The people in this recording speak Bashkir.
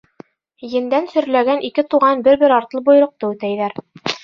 Ендән шөрләгән ике туған бер-бер артлы бойороҡто үтәйҙәр.